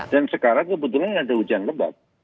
dan sekarang kebetulan ada hujan lebat